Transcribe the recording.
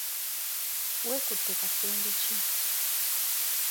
Wekutte kasenge ki?